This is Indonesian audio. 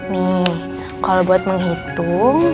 nih kalo buat menghitung